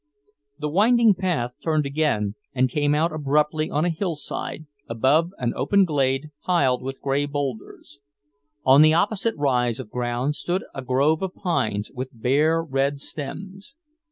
The winding path turned again, and came out abruptly on a hillside, above an open glade piled with grey boulders. On the opposite rise of ground stood a grove of pines, with bare, red stems.